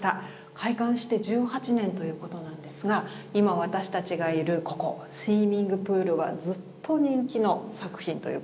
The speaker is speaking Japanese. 開館して１８年ということなんですが今私たちがいるここ「スイミング・プール」はずっと人気の作品ということなんですね。